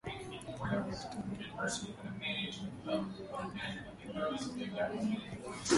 Leo tutaingia darasani kumjua mnyama Fulani hivi ambae hujulikana kutokana na maringo yake na